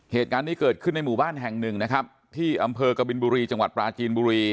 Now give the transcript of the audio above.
เหตุการณ์นี้เกิดขึ้นในหมู่บ้านแห่งหนึ่งนะครับที่อำเภอกบินบุรีจังหวัดปราจีนบุรี